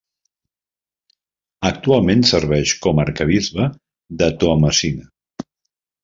Actualment serveix com a arquebisbe de Toamasina.